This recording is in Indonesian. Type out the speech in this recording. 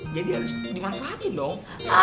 jadi harus dimasakin dong